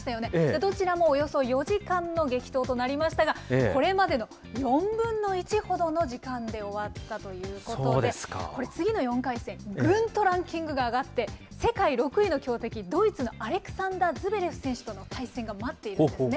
どちらもおよそ４時間の激闘となりましたが、これまでの４分の１ほどの時間で終わったということで、これ、次の４回戦、ぐんとランキングが上がって、世界６位の強敵、ドイツのアレクサンダー・ズベロス選手との待っているんですね。